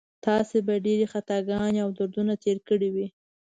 تاسو به ډېرې خطاګانې او دردونه تېر کړي وي.